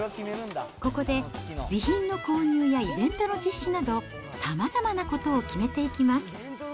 ここで備品の購入やイベントの実施など、さまざまなことを決めていきます。